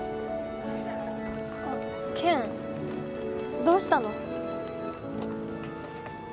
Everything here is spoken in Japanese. あっ健どうしたの？